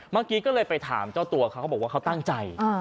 เมื่อกี้ก็เลยไปถามเจ้าตัวเขาเขาบอกว่าเขาตั้งใจ